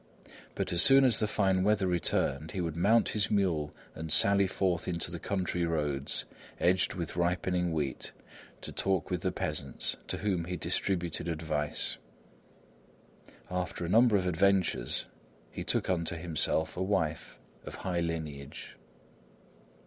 But as soon as the fine weather returned, he would mount his mule and sally forth into the country roads, edged with ripening wheat, to talk with the peasants, to whom he distributed advice. After a number of adventures he took unto himself a wife of high lineage.